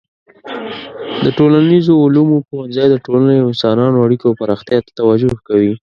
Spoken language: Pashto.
د ټولنیزو علومو پوهنځی د ټولنې او انسانانو اړیکو او پراختیا ته توجه کوي.